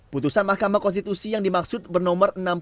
putusan mahkamah konstitusi yang dimaksud bernomor enam puluh